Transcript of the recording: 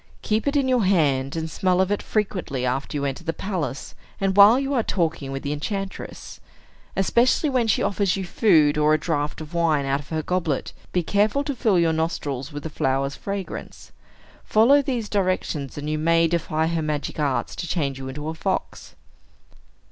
Keep it in your hand, and smell of it frequently after you enter the palace, and while you are talking with the enchantress. Especially when she offers you food, or a draught of wine out of her goblet, be careful to fill your nostrils with the flower's fragrance. Follow these directions, and you may defy her magic arts to change you into a fox."